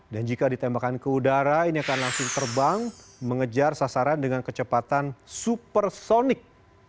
dan jika ditembakan ke udara ini akan langsung terbang mengejar sasaran dengan kecepatan supersonik